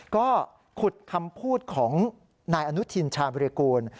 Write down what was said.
ก็ขุดคำพูดของนายอนุทินชาบริกูล